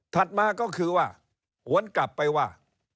มาก็คือว่าหวนกลับไปว่า